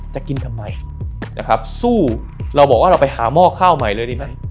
จะกินทำไมนะครับสู้เราบอกว่าเราไปหาหม้อข้าวใหม่เลยดีไหม